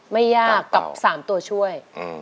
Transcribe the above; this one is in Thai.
ไม่ยากกับ๓ตัวช่วย